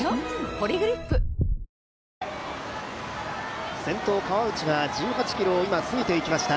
「ポリグリップ」先頭・川内が１８ｋｍを今過ぎていきました。